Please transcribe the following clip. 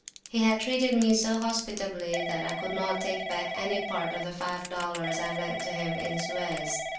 He had treated me so hospitably, that I could not take back any part of the £5 lent to him at Suez.